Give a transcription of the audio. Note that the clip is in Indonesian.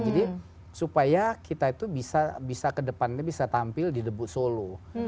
jadi supaya kita itu bisa ke depannya bisa tampil di debut solo